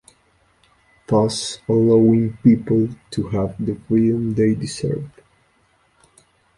Thus allowing people to have the freedom they deserve.